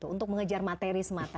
untuk mengejar materi semata